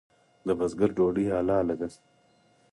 د بزګر ډوډۍ حلاله ده؟